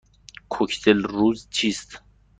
کوکتل روز چیست؟